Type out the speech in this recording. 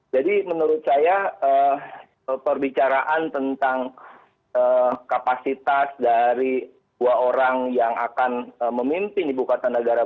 jadi menurut saya perbicaraan tentang kapasitas dari dua orang yang akan memimpin ibu kota negara